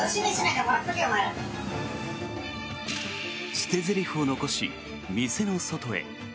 捨てゼリフを残し、店の外へ。